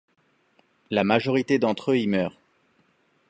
La majorité d'entre eux y meurent .